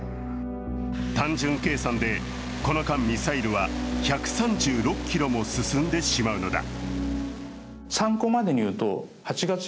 単純計算でこの間、ミサイルは１３６ｋｍも進んでしまうのだ。